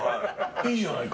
いいじゃないか。